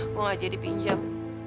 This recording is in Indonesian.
aku ngajak dipinjam